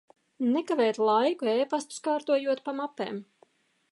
Nekavēt laiku, epastus kārtojot pa mapēm.